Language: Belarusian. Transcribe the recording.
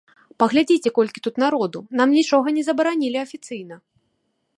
Паглядзіце, колькі тут народу, нам нічога не забаранілі афіцыйна.